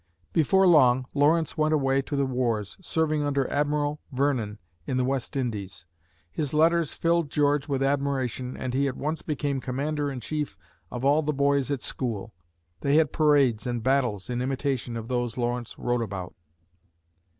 Before long, Lawrence went away to the wars, serving under Admiral Vernon in the West Indies. His letters filled George with admiration and he at once became commander in chief of all the boys at school; they had parades and battles in imitation of those Lawrence wrote about.